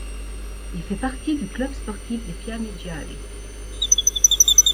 Il fait partie du club sportif des Fiamme gialle.